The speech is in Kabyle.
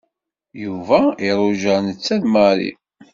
Yuba iruja netta d Mary.